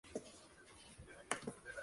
La salida es el producto o servicio.